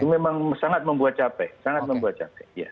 memang sangat membuat capek sangat membuat capek